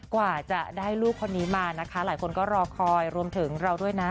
กว่าจะได้ลูกคนนี้มานะคะหลายคนก็รอคอยรวมถึงเราด้วยนะ